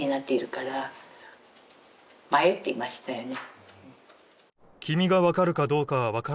迷っていましたよね。